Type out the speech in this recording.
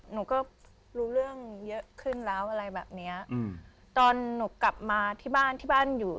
หนูก็รู้เรื่องเยอะขึ้นแล้วอะไรแบบเนี้ยอืมตอนหนูกลับมาที่บ้านที่บ้านอยู่